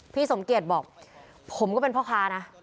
พี่สมเกียจบอกผมก็เป็นพ่อค้านะ